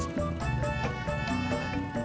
sama sama pak ji